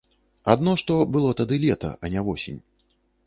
Адно што было тады лета, а не восень.